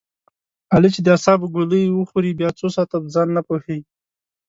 علي چې د اعصابو ګولۍ و خوري بیا څو ساعته په ځان نه پوهېږي.